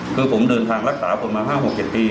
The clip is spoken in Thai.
คือผมเดินทางรักษาผลมา๕๖๗ปี